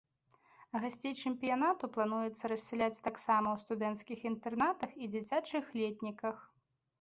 Гасцей чэмпіянату плануецца рассяляць таксама ў студэнцкіх інтэрнатах і дзіцячых летніках.